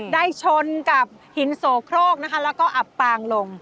ชนกับหินโสโครกนะคะแล้วก็อับปางลง